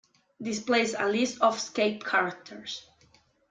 Display a list of escape characters.